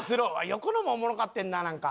横のもおもろかってんななんか。